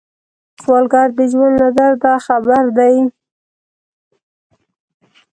سوالګر د ژوند له درده خبر دی